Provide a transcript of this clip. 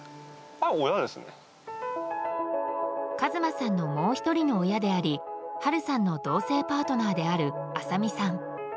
和真さんのもう１人の親であり春さんの同性パートナーである麻実さん。